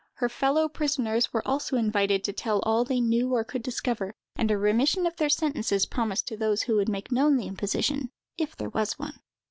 Her fellow prisoners were also invited to tell all they knew or could discover; and a remission of their sentences promised to those who would make known the imposition, if there was one.